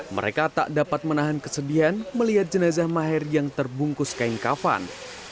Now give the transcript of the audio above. mereka tak dapat menahan kesedihan melihat jenazah maher yang terbungkus kain kafan